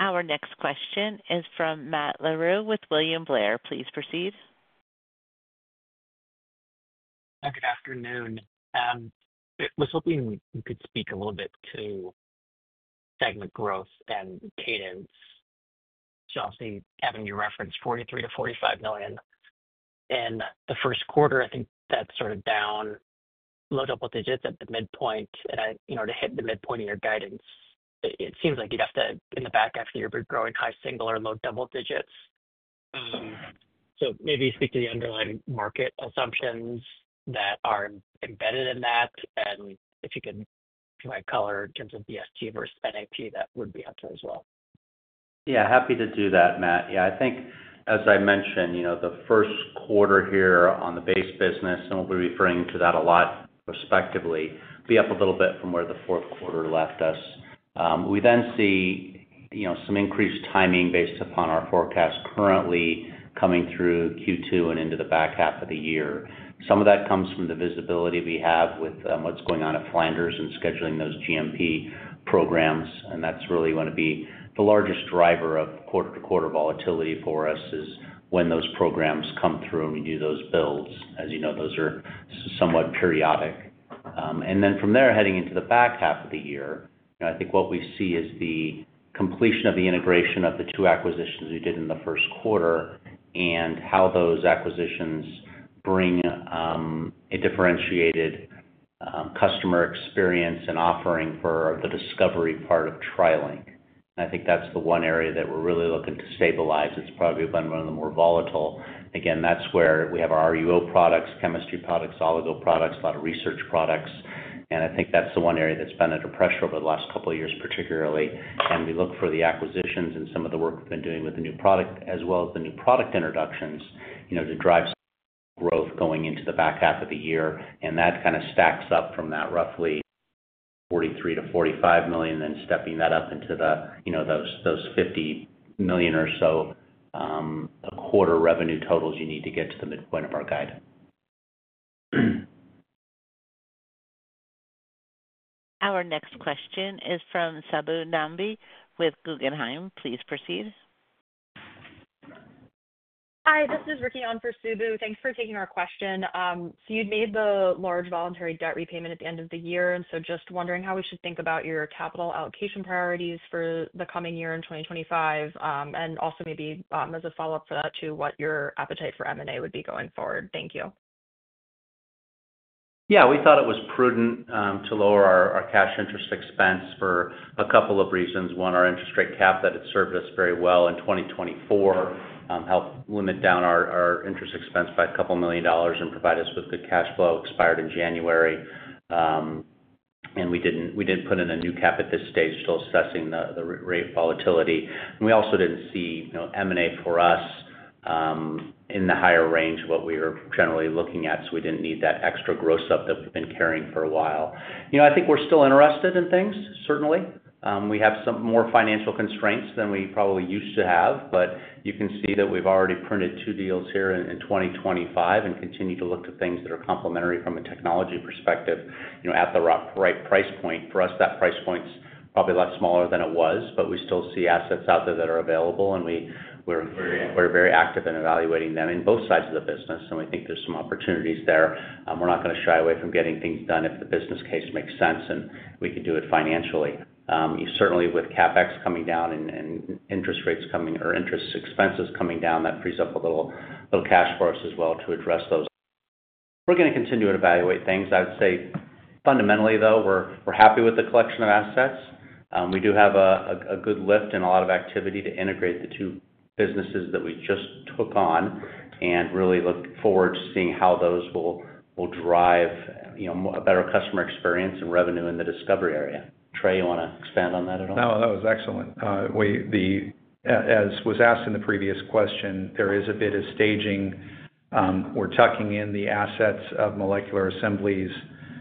Our next question is from Matt Larew with William Blair. Please proceed. Good afternoon. I was hoping we could speak a little bit to segment growth and cadence. I'll see, Kevin, you referenced $43 million to $45 million. In the first quarter, I think that's sort of down, low double digits at the midpoint. To hit the midpoint in your guidance, it seems like you'd have to, in the back, after, you're growing high single or low double digits. Maybe speak to the underlying market assumptions that are embedded in that. If you can provide color in terms of BST versus NAP, that would be helpful as well. Yeah, happy to do that, Matt. Yeah, I think, as I mentioned, the first quarter here on the base business, and we'll be referring to that a lot prospectively, be up a little bit from where the fourth quarter left us. We then see some increased timing based upon our forecast currently coming through Q2 and into the back half of the year. Some of that comes from the visibility we have with what's going on at Flanders and scheduling those GMP programs. That's really going to be the largest driver of quarter-to-quarter volatility for us is when those programs come through and we do those builds. As you know, those are somewhat periodic. From there, heading into the back half of the year, I think what we see is the completion of the integration of the two acquisitions we did in the first quarter and how those acquisitions bring a differentiated customer experience and offering for the discovery part of TriLink. I think that's the one area that we're really looking to stabilize. It's probably been one of the more volatile. Again, that's where we have our RUO products, chemistry products, oligo products, a lot of research products. I think that's the one area that's been under pressure over the last couple of years, particularly. We look for the acquisitions and some of the work we've been doing with the new product as well as the new product introductions to drive growth going into the back half of the year. That kind of stacks up from that roughly $43 million-$45 million, stepping that up into those $50 million or so a quarter revenue totals you need to get to the midpoint of our guide. Our next question is from Subhalaxmi Nambi with Guggenheim Securities. Please proceed. Hi, this is Ricky Ong for Subu. Thanks for taking our question. You made the large voluntary debt repayment at the end of the year. Just wondering how we should think about your capital allocation priorities for the coming year in 2025, and also maybe as a follow-up for that to what your appetite for M&A would be going forward. Thank you. Yeah, we thought it was prudent to lower our cash interest expense for a couple of reasons. One, our interest rate cap that had served us very well in 2024 helped limit down our interest expense by a couple million dollars and provide us with good cash flow expired in January. We did not put in a new cap at this stage, still assessing the rate volatility. We also did not see M&A for us in the higher range of what we were generally looking at, so we did not need that extra gross up that we have been carrying for a while. I think we are still interested in things, certainly. We have some more financial constraints than we probably used to have, but you can see that we've already printed two deals here in 2025 and continue to look to things that are complementary from a technology perspective at the right price point. For us, that price point's probably a lot smaller than it was, but we still see assets out there that are available, and we're very active in evaluating them in both sides of the business. We think there's some opportunities there. We're not going to shy away from getting things done if the business case makes sense and we can do it financially. Certainly, with CapEx coming down and interest rates coming or interest expenses coming down, that frees up a little cash for us as well to address those. We're going to continue to evaluate things. I would say fundamentally, though, we're happy with the collection of assets. We do have a good lift and a lot of activity to integrate the two businesses that we just took on and really look forward to seeing how those will drive a better customer experience and revenue in the discovery area. Trey, you want to expand on that at all? No, that was excellent. As was asked in the previous question, there is a bit of staging. We're tucking in the assets of Molecular Assemblies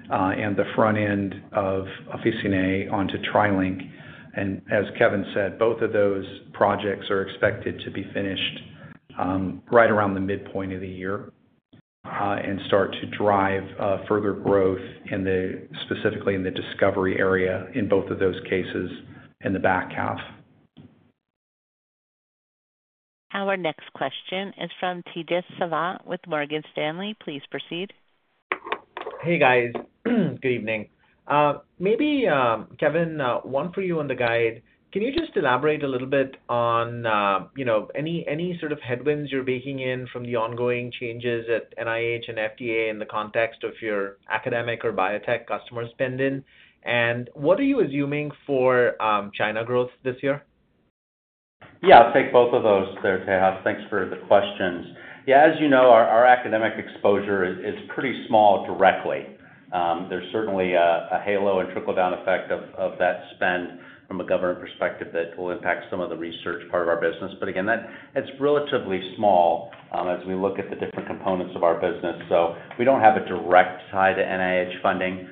and the front end of Officinae Bio onto TriLink. And as Kevin said, both of those projects are expected to be finished right around the midpoint of the year and start to drive further growth, specifically in the discovery area in both of those cases in the back half. Our next question is from Tejas Savant with Morgan Stanley. Please proceed. Hey, guys. Good evening. Maybe, Kevin, one for you on the guide. Can you just elaborate a little bit on any sort of headwinds you're baking in from the ongoing changes at NIH and FDA in the context of your academic or biotech customers' spending? What are you assuming for China growth this year? Yeah, I'll take both of those there, Tej. Thanks for the questions. Yeah, as you know, our academic exposure is pretty small directly. There's certainly a halo and trickle-down effect of that spend from a government perspective that will impact some of the research part of our business. Again, it's relatively small as we look at the different components of our business. We don't have a direct tie to NIH funding,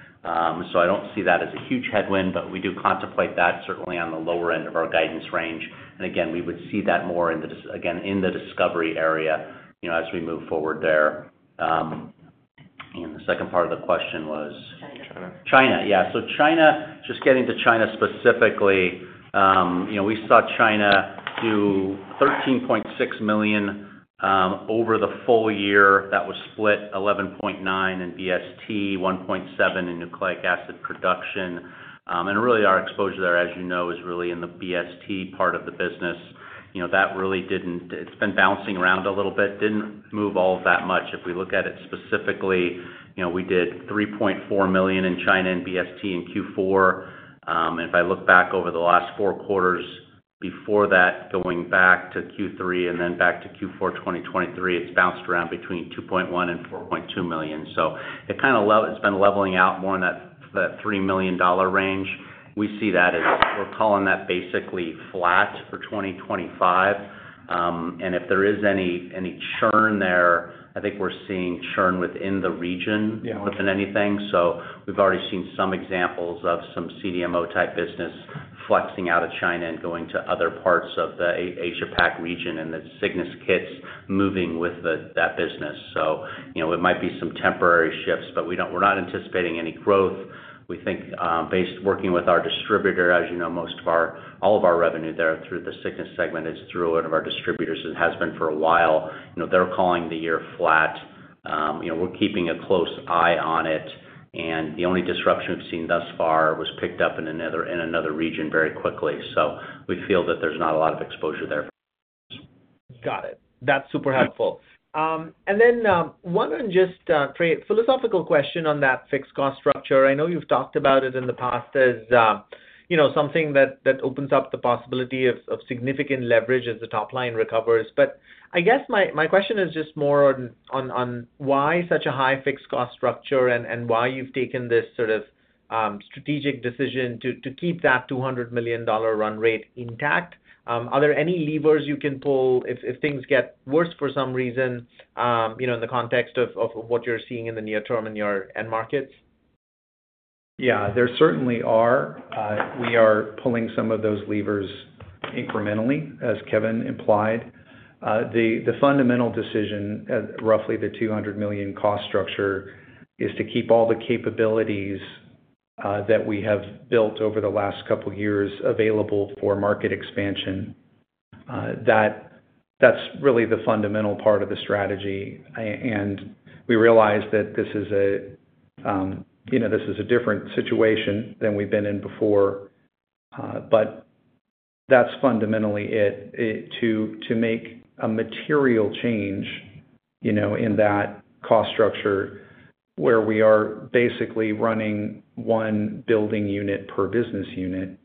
so I don't see that as a huge headwind, but we do contemplate that certainly on the lower end of our guidance range. Again, we would see that more, again, in the discovery area as we move forward there. The second part of the question was. China. China. Yeah. China, just getting to China specifically, we saw China do $13.6 million over the full year. That was split $11.9 million in BST, $1.7 million in Nucleic Acid Production. And really, our exposure there, as you know, is really in the BST part of the business. That really didn't—it's been bouncing around a little bit, didn't move all that much. If we look at it specifically, we did $3.4 million in China and BST in Q4. If I look back over the last four quarters before that, going back to Q3 and then back to Q4 2023, it's bounced around between $2.1 million and $4.2 million. It kind of has been leveling out more in that $3 million range. We see that as we're calling that basically flat for 2025. If there is any churn there, I think we're seeing churn within the region more than anything. We've already seen some examples of some CDMO-type business flexing out of China and going to other parts of the Asia-Pac region and the Cygnus kits moving with that business. It might be some temporary shifts, but we're not anticipating any growth. We think, based on working with our distributor, as you know, all of our revenue there through the Cygnus segment is through one of our distributors and has been for a while. They're calling the year flat. We're keeping a close eye on it. The only disruption we've seen thus far was picked up in another region very quickly. We feel that there's not a lot of exposure there. Got it. That's super helpful. One just philosophical question on that fixed cost structure. I know you've talked about it in the past as something that opens up the possibility of significant leverage as the top line recovers. I guess my question is just more on why such a high fixed cost structure and why you've taken this sort of strategic decision to keep that $200 million run rate intact. Are there any levers you can pull if things get worse for some reason in the context of what you're seeing in the near term in your end markets? Yeah, there certainly are. We are pulling some of those levers incrementally, as Kevin implied. The fundamental decision, roughly the $200 million cost structure, is to keep all the capabilities that we have built over the last couple of years available for market expansion. That's really the fundamental part of the strategy. We realize that this is a different situation than we've been in before. That's fundamentally it. To make a material change in that cost structure where we are basically running one building unit per business unit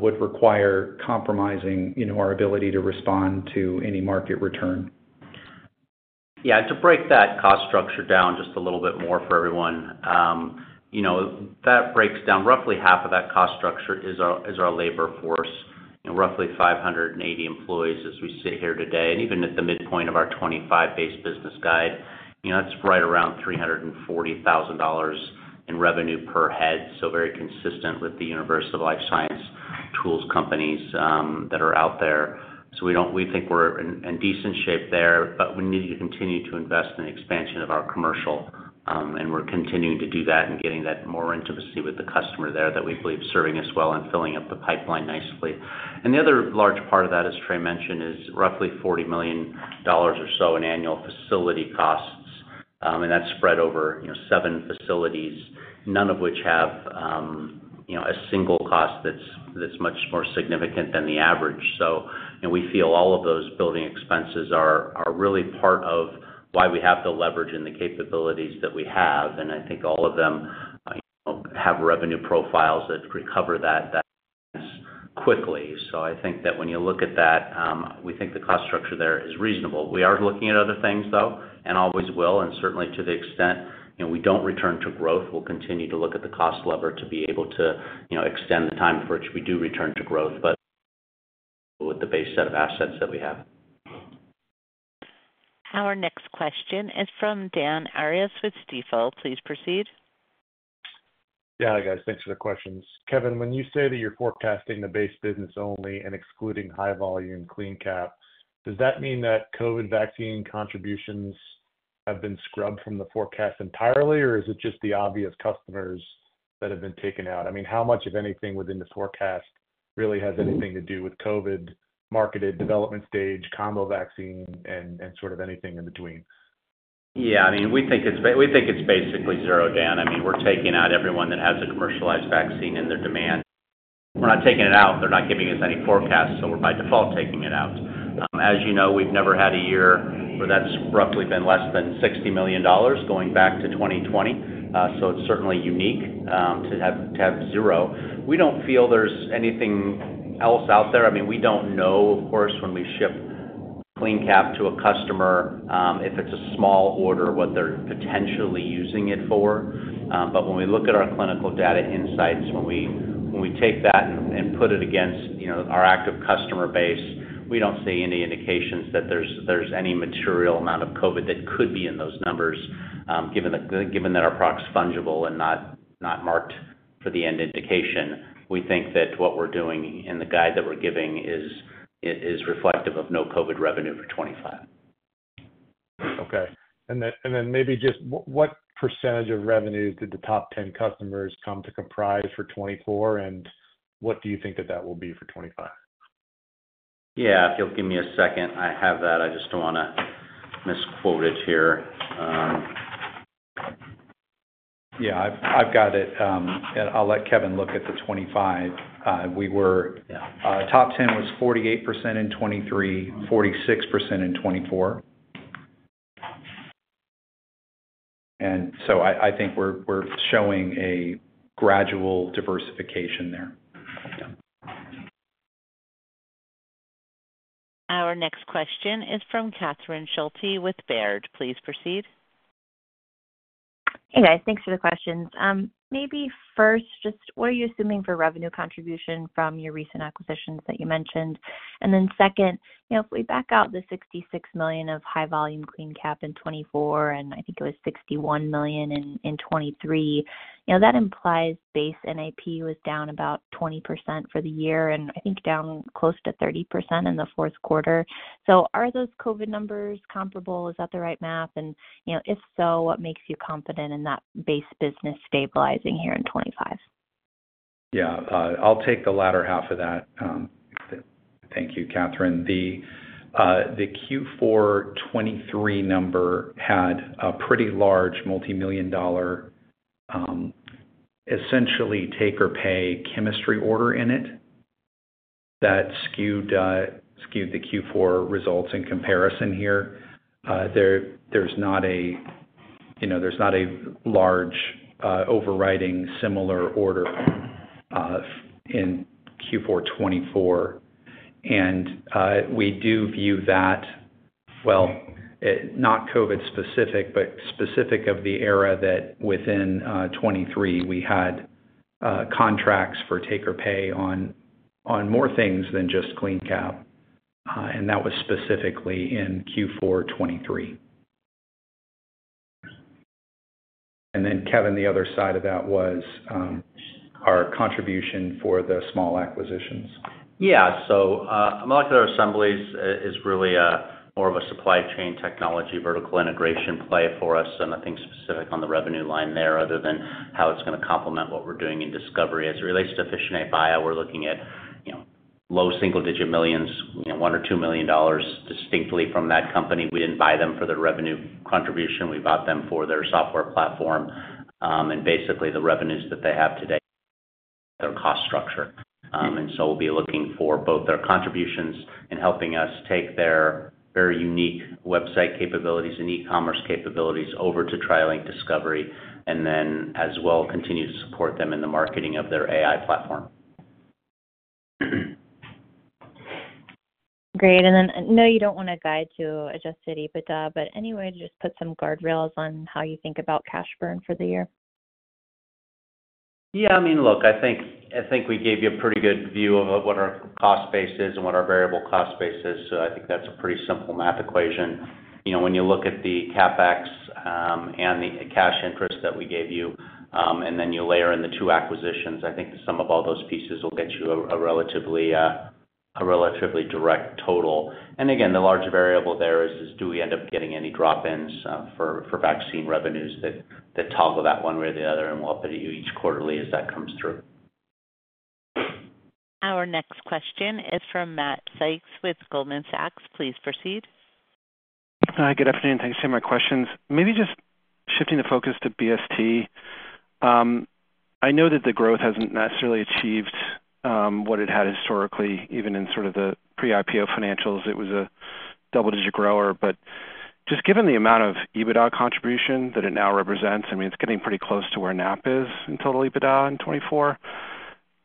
would require compromising our ability to respond to any market return. Yeah. To break that cost structure down just a little bit more for everyone, that breaks down roughly half of that cost structure is our labor force, roughly 580 employees as we sit here today. Even at the midpoint of our '25 base business guide, that's right around $340,000 in revenue per head. Very consistent with the universe of life science tools companies that are out there. We think we're in decent shape there, but we need to continue to invest in the expansion of our commercial. We're continuing to do that and getting that more intimacy with the customer there that we believe is serving us well and filling up the pipeline nicely. The other large part of that, as Trey mentioned, is roughly $40 million or so in annual facility costs. That is spread over seven facilities, none of which have a single cost that is much more significant than the average. We feel all of those building expenses are really part of why we have the leverage and the capabilities that we have. I think all of them have revenue profiles that recover that quickly. I think that when you look at that, we think the cost structure there is reasonable. We are looking at other things, though, and always will. Certainly, to the extent we do not return to growth, we will continue to look at the cost lever to be able to extend the time for which we do return to growth, but with the base set of assets that we have. Our next question is from Dan Arias with Stifel. Please proceed. Yeah, guys. Thanks for the questions. Kevin, when you say that you're forecasting the base business only and excluding high volume CleanCap, does that mean that COVID vaccine contributions have been scrubbed from the forecast entirely, or is it just the obvious customers that have been taken out? I mean, how much, if anything, within the forecast really has anything to do with COVID marketed development stage, combo vaccine, and sort of anything in between? Yeah. I mean, we think it's basically zero, Dan. I mean, we're taking out everyone that has a commercialized vaccine and their demand. We're not taking it out. They're not giving us any forecast, so we're by default taking it out. As you know, we've never had a year where that's roughly been less than $60 million going back to 2020. It is certainly unique to have zero. We don't feel there's anything else out there. I mean, we don't know, of course, when we ship CleanCap to a customer if it's a small order, what they're potentially using it for. When we look at our clinical data insights, when we take that and put it against our active customer base, we do not see any indications that there is any material amount of COVID that could be in those numbers, given that our product is fungible and not marked for the end indication. We think that what we are doing in the guide that we are giving is reflective of no COVID revenue for 2025. Okay. Maybe just what percentage of revenues did the top 10 customers come to comprise for 2024, and what do you think that that will be for 2025? Yeah. If you'll give me a second, I have that. I just don't want to misquote it here. Yeah, I've got it. I'll let Kevin look at the 2025. Top 10 was 48% in 2023, 46% in 2024. I think we're showing a gradual diversification there. Our next question is from Catherine Schulte with Baird. Please proceed. Hey, guys. Thanks for the questions. Maybe first, just what are you assuming for revenue contribution from your recent acquisitions that you mentioned? Then second, if we back out the $66 million of high volume CleanCap in 2024, and I think it was $61 million in 2023, that implies base NAP was down about 20% for the year and I think down close to 30% in the fourth quarter. Are those COVID numbers comparable? Is that the right math? If so, what makes you confident in that base business stabilizing here in 2025? Yeah. I'll take the latter half of that. Thank you, Catherine. The Q4 2023 number had a pretty large multi-million dollar, essentially take or pay chemistry order in it that skewed the Q4 results in comparison here. There's not a large overriding similar order in Q4 2024. We do view that, while not COVID specific, but specific of the era that within 2023, we had contracts for take or pay on more things than just CleanCap. That was specifically in Q4 2023. Kevin, the other side of that was our contribution for the small acquisitions. Yeah. Molecular Assemblies is really more of a supply chain technology vertical integration play for us. Nothing specific on the revenue line there other than how it's going to complement what we're doing in discovery. As it relates to Officinae Bio, we're looking at low single-digit millions, one or two million dollars distinctly from that company. We didn't buy them for their revenue contribution. We bought them for their software platform. Basically, the revenues that they have today, their cost structure. We will be looking for both their contributions in helping us take their very unique website capabilities and e-commerce capabilities over to TriLink Discovery and then, as well, continue to support them in the marketing of their AI platform. Great. No, you do not want to guide to adjusted EBITDA, but any way to just put some guardrails on how you think about cash burn for the year? Yeah. I mean, look, I think we gave you a pretty good view of what our cost base is and what our variable cost base is. I think that's a pretty simple math equation. When you look at the CapEx and the cash interest that we gave you, and then you layer in the two acquisitions, I think some of all those pieces will get you a relatively direct total. Again, the large variable there is, do we end up getting any drop-ins for vaccine revenues that toggle that one way or the other, and we'll update you each quarterly as that comes through. Our next question is from Matt Sykes with Goldman Sachs. Please proceed. Hi. Good afternoon. Thanks for my questions. Maybe just shifting the focus to BST. I know that the growth hasn't necessarily achieved what it had historically, even in sort of the pre-IPO financials. It was a double-digit grower. Just given the amount of EBITDA contribution that it now represents, I mean, it's getting pretty close to where NAP is in total EBITDA in 2024.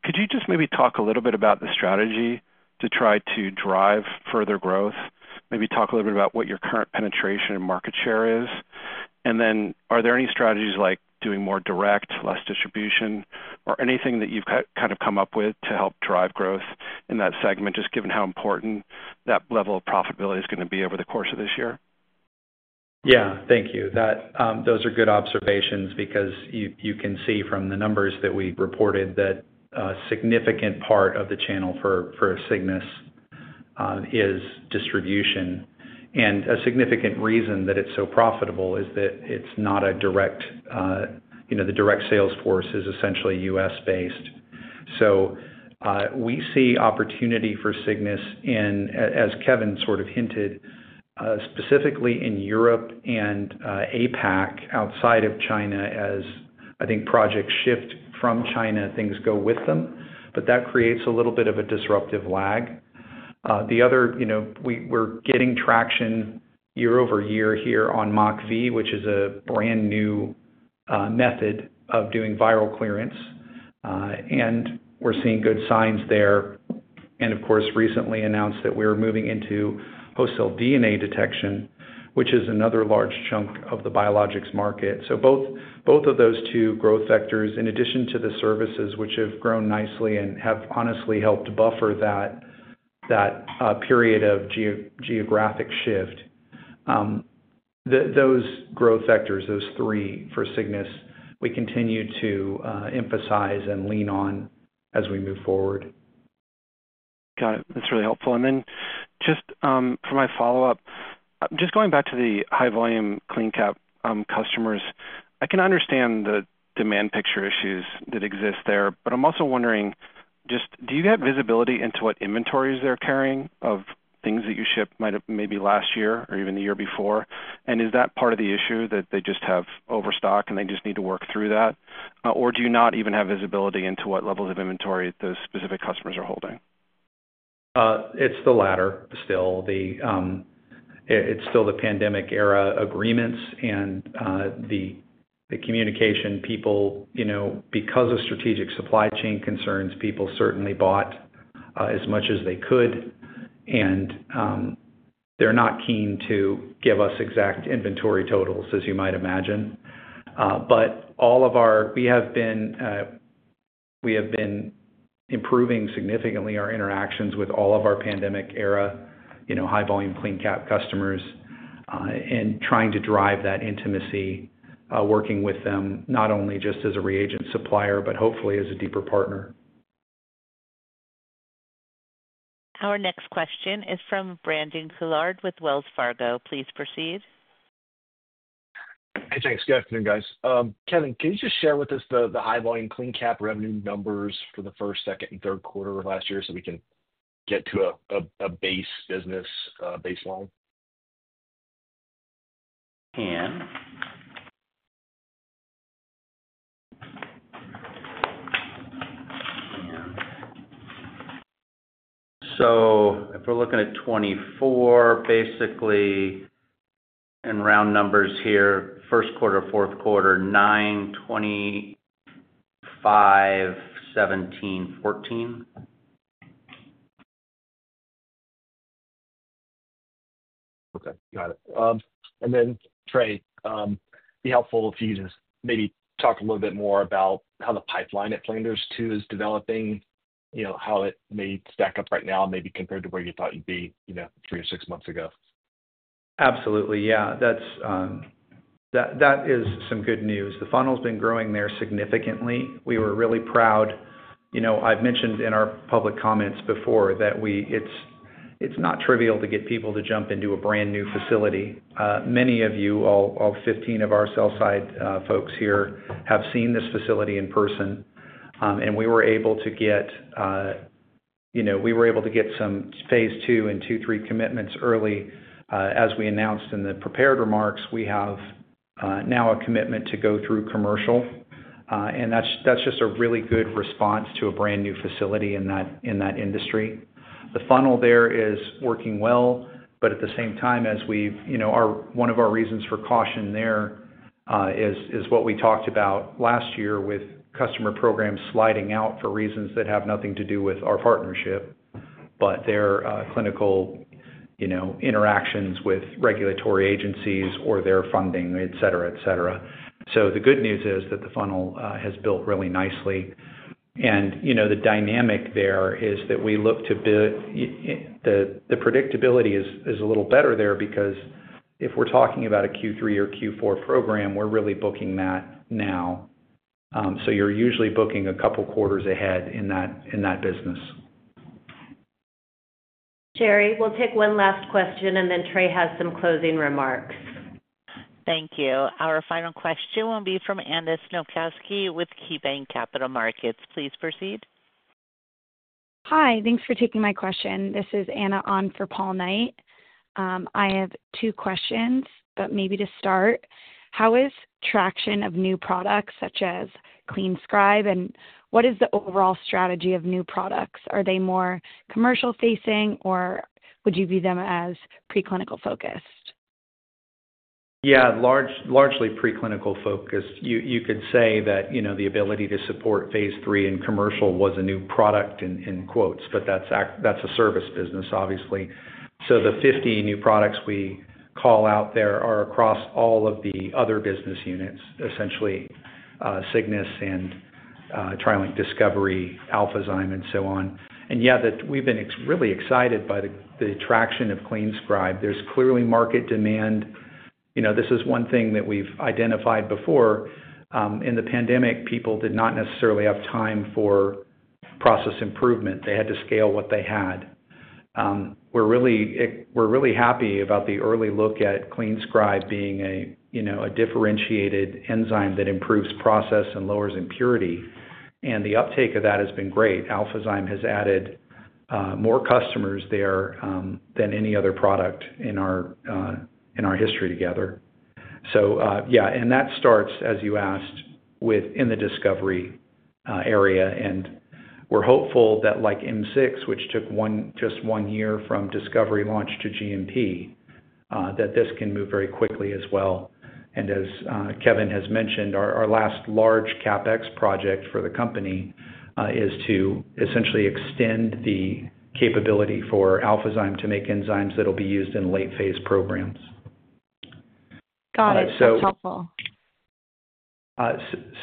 Could you just maybe talk a little bit about the strategy to try to drive further growth? Maybe talk a little bit about what your current penetration and market share is. Are there any strategies like doing more direct, less distribution, or anything that you've kind of come up with to help drive growth in that segment, just given how important that level of profitability is going to be over the course of this year? Yeah. Thank you. Those are good observations because you can see from the numbers that we reported that a significant part of the channel for Cygnus is distribution. A significant reason that it's so profitable is that it's not a direct—the direct sales force is essentially U.S.-based. We see opportunity for Cygnus in, as Kevin sort of hinted, specifically in Europe and APAC outside of China as, I think, projects shift from China, things go with them. That creates a little bit of a disruptive lag. The other, we're getting traction year over year here on MockV, which is a brand new method of doing viral clearance. We're seeing good signs there. Of course, recently announced that we are moving into Host Cell DNA detection, which is another large chunk of the biologics market. Both of those two growth vectors, in addition to the services, which have grown nicely and have honestly helped buffer that period of geographic shift, those growth vectors, those three for Cygnus, we continue to emphasize and lean on as we move forward. Got it. That's really helpful. Just for my follow-up, just going back to the high volume CleanCap customers, I can understand the demand picture issues that exist there. I am also wondering, do you have visibility into what inventories they're carrying of things that you shipped maybe last year or even the year before? Is that part of the issue, that they just have overstock and they just need to work through that? Do you not even have visibility into what levels of inventory those specific customers are holding? It's the latter still. It's still the pandemic-era agreements and the communication people. Because of strategic supply chain concerns, people certainly bought as much as they could. They're not keen to give us exact inventory totals, as you might imagine. All of our—we have been improving significantly our interactions with all of our pandemic-era high volume CleanCap customers and trying to drive that intimacy, working with them not only just as a reagent supplier, but hopefully as a deeper partner. Our next question is from Brandon Couillard with Wells Fargo. Please proceed. Hey, thanks. Good afternoon, guys. Kevin, can you just share with us the high volume CleanCap revenue numbers for the first, second, and third quarter of last year so we can get to a base business baseline? Can. If we're looking at '24, basically in round numbers here, first quarter, fourth quarter, 9, 25, 17, 14. Okay. Got it. Trey, it'd be helpful if you could just maybe talk a little bit more about how the pipeline at Flanders Two is developing, how it may stack up right now, maybe compared to where you thought you'd be three or six months ago. Absolutely. Yeah. That is some good news. The funnel's been growing there significantly. We were really proud. I've mentioned in our public comments before that it's not trivial to get people to jump into a brand new facility. Many of you, all 15 of our sell-side folks here, have seen this facility in person. We were able to get some phase II and II-III commitments early. As we announced in the prepared remarks, we have now a commitment to go through commercial. That's just a really good response to a brand new facility in that industry. The funnel there is working well, but at the same time, as we—one of our reasons for caution there is what we talked about last year with customer programs sliding out for reasons that have nothing to do with our partnership, but their clinical interactions with regulatory agencies or their funding, etc., etc. The good news is that the funnel has built really nicely. The dynamic there is that we look to build—the predictability is a little better there because if we're talking about a Q3 or Q4 program, we're really booking that now. You're usually booking a couple quarters ahead in that business. Jerry, we'll take one last question, and then Trey has some closing remarks. Thank you. Our final question will be from Anna Snopkowski with KeyBanc Capital Markets. Please proceed. Hi. Thanks for taking my question. This is Anna on for Paul Knight. I have two questions, but maybe to start, how is traction of new products such as CleanScribe, and what is the overall strategy of new products? Are they more commercial-facing, or would you view them as preclinical-focused? Yeah. Largely preclinical-focused. You could say that the ability to support phase three in commercial was a new product in quotes, but that's a service business, obviously. The 50 new products we call out there are across all of the other business units, essentially Cygnus and TriLink Discovery, Alphazyme, and so on. Yeah, we've been really excited by the traction of CleanScribe. There's clearly market demand. This is one thing that we've identified before. In the pandemic, people did not necessarily have time for process improvement. They had to scale what they had. We're really happy about the early look at CleanScribe being a differentiated enzyme that improves process and lowers impurity. The uptake of that has been great. Alphazyme has added more customers there than any other product in our history together. Yeah, that starts, as you asked, within the discovery area. We're hopeful that, like M6, which took just one year from discovery launch to GMP, this can move very quickly as well. As Kevin has mentioned, our last large CapEx project for the company is to essentially extend the capability for Alphazyme to make enzymes that will be used in late-phase programs. Got it. That's helpful.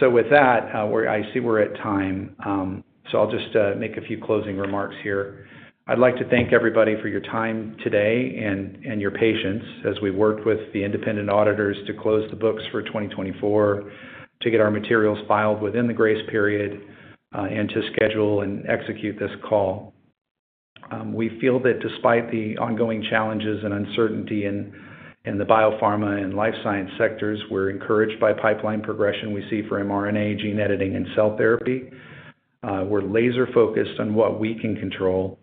With that, I see we're at time. I'll just make a few closing remarks here. I'd like to thank everybody for your time today and your patience as we worked with the independent auditors to close the books for 2024, to get our materials filed within the grace period, and to schedule and execute this call. We feel that despite the ongoing challenges and uncertainty in the biopharma and life science sectors, we're encouraged by pipeline progression we see for mRNA, gene editing, and cell therapy. We're laser-focused on what we can control,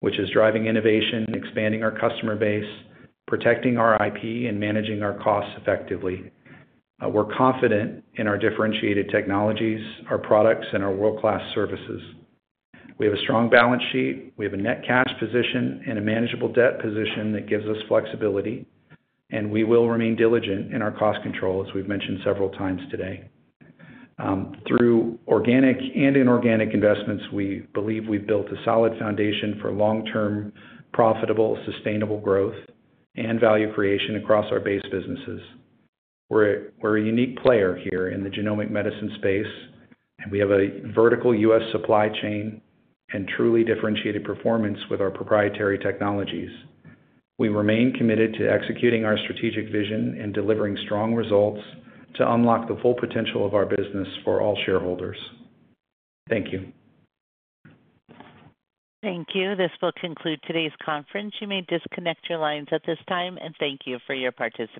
which is driving innovation, expanding our customer base, protecting our IP, and managing our costs effectively. We're confident in our differentiated technologies, our products, and our world-class services. We have a strong balance sheet. We have a net cash position and a manageable debt position that gives us flexibility. We will remain diligent in our cost control, as we've mentioned several times today. Through organic and inorganic investments, we believe we've built a solid foundation for long-term profitable, sustainable growth and value creation across our base businesses. We're a unique player here in the genomic medicine space, and we have a vertical US supply chain and truly differentiated performance with our proprietary technologies. We remain committed to executing our strategic vision and delivering strong results to unlock the full potential of our business for all shareholders. Thank you. Thank you. This will conclude today's conference. You may disconnect your lines at this time, and thank you for your participation.